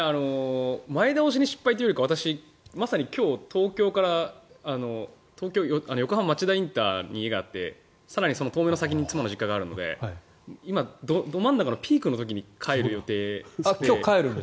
前倒しに失敗というよりかは私、まさに今日、東京から横浜町田ＩＣに家があって更にその東名の先に妻の実家があるので今、ど真ん中のピークの時に帰る予定で。